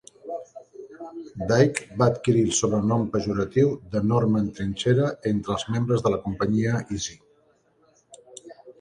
Dike va adquirir el sobrenom pejoratiu de "Norman Trinxera" entre els membres de la companyia Easy.